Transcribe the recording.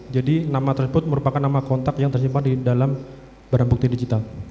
jadi nama tersebut merupakan nama kontak yang tersimpan di dalam barang bukti digital